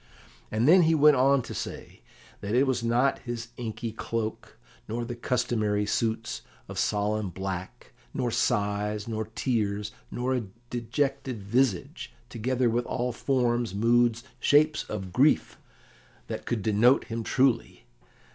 And then he went on to say that it was not his inky cloak, nor the customary suits of solemn black, nor sighs, nor tears, nor a dejected visage, together with all forms, moods, shapes of grief, that could denote him truly.